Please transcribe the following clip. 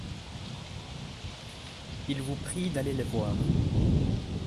Ils vous prient d’aller les voir.